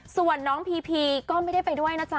ส่วนน้องพีพีก็ไม่ได้ไปด้วยนะจ๊